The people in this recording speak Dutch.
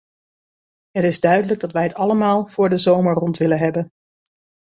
Het is duidelijk dat wij het allemaal voor de zomer rond willen hebben.